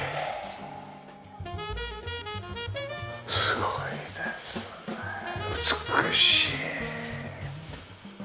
すごいですね美しい。